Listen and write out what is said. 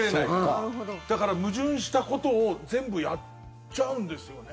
だから矛盾したことを全部やっちゃうんですよね。